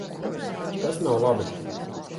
Tas nav labi.